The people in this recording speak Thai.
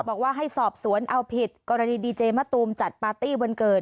บอกว่าให้สอบสวนเอาผิดกรณีดีเจมะตูมจัดปาร์ตี้วันเกิด